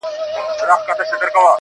ښه موده کيږي چي هغه مجلس ته نه ورځمه.